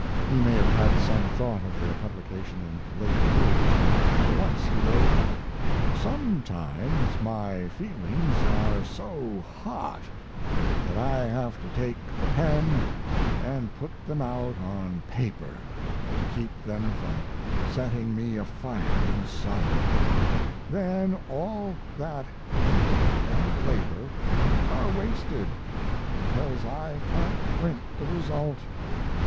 He may have had some thought of their publication in later years, for once he wrote: Sometimes my feelings are so hot that I have to take the pen and put them out on paper to keep them from setting me afire inside; then all that ink and labor are wasted because I can't print the result.